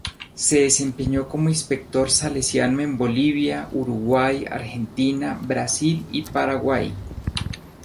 Se desempeñó como Inspector salesiano en Bolivia, Uruguay, Argentina, Brasil y Paraguay.